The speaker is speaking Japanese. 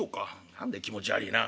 「何だよ気持ち悪いな。